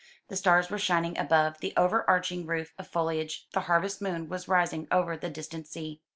The stars were shining above the overarching roof of foliage, the harvest moon was rising over the distant sea.